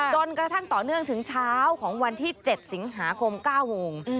จนกระทั่งต่อเนื่องถึงเช้าของวันที่๗สิงหาคม๙โมง